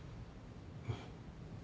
うん。